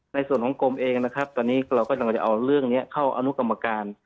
ในส่วนของกรมเองนะครับตอนนี้เรากำลังจะเอาเรื่องนี้เข้าอนุกรรมการ